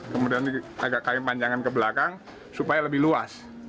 kemudian agak kami panjangkan ke belakang supaya lebih luas